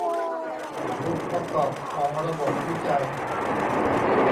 องค์ประกอบของระบบวิจัย